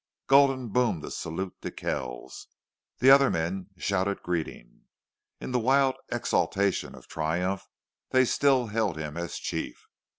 Gulden boomed a salute to Kells. The other men shouted greeting. In the wild exultation of triumph they still held him as chief.